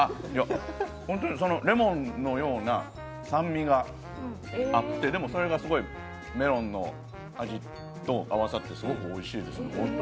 本当にレモンのような酸味があって、でもそれがすごいメロンの味と合わさってすごくおいしいです、ホントに。